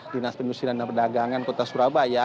dinas penduduk sinan dan perdagangan kota surabaya